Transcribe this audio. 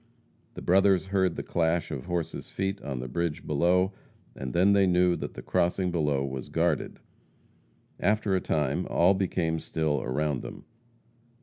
The brothers heard the clash of horses' feet on a bridge below, and then they knew that the crossing below was guarded. After a time all became still around them.